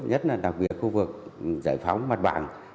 nhất là đặc biệt khu vực giải phóng mặt bằng